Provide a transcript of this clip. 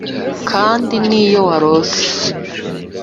kandi niyo warose